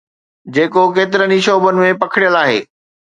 جيڪو ڪيترن ئي شعبن ۾ پکڙيل آهي.